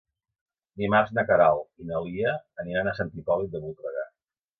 Dimarts na Queralt i na Lia aniran a Sant Hipòlit de Voltregà.